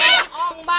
lepas dulu tata